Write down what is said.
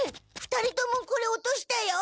２人ともこれ落としたよ。